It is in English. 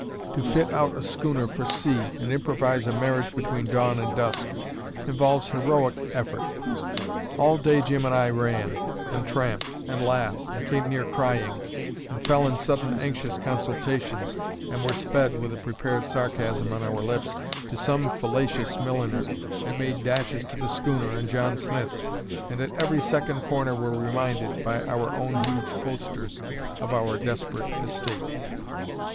To fit out a schooner for sea, and improvise a marriage between dawn and dusk, involves heroic effort. All day Jim and I ran, and tramped, and laughed, and came near crying, and fell in sudden anxious consultations, and were sped (with a prepared sarcasm on our lips) to some fallacious milliner, and made dashes to the schooner and John Smith's, and at every second corner were reminded (by our own huge posters) of our desperate estate.